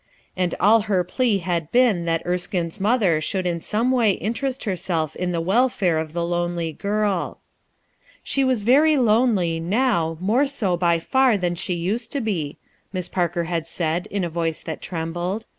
And all her plea had been that Erskine's mother should in some way interest herself in tho wel fare of the lonely girl. 240 RUTH BRSKINE'S SOX She was very lonely, now, more so by far than she used to be, Miss Parker had said in a voice that trembled.